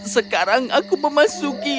sekarang aku memasuki guam